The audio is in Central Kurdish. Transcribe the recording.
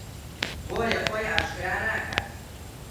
بۆیە خۆی ئاشکرا ناکات